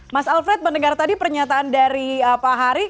mas alfred mendengar tadi pernyataan dari pak hari